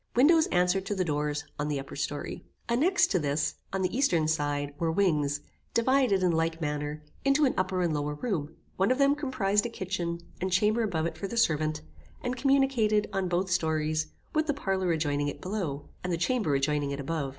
Windows answered to the doors on the upper story. Annexed to this, on the eastern side, were wings, divided, in like manner, into an upper and lower room; one of them comprized a kitchen, and chamber above it for the servant, and communicated, on both stories, with the parlour adjoining it below, and the chamber adjoining it above.